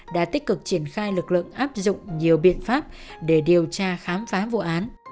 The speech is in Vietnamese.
đã tích cực triển khai lực lượng áp dụng nhiều biện pháp để điều tra khám phá vụ án